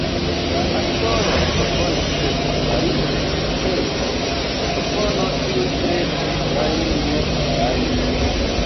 La aktoroj proponis, ke ĝi fariĝu monaĥejo – propono, kiu tre verŝajne ne realiĝos.